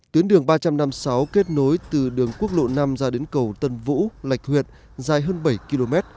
tuyến đường ba trăm năm mươi sáu kết nối từ đường quốc lộ năm ra đến cầu tân vũ lạch huyện dài hơn bảy km